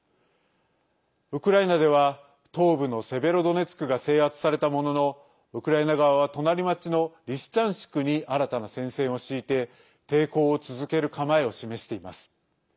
ウクライナでは東部のセベロドネツクが制圧されたもののウクライナ側は隣町のリシチャンシクに新たな戦線を敷いて抵抗を続ける構えを示しています。